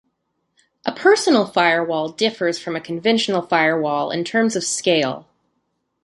A personal firewall differs from a conventional firewall in terms of scale.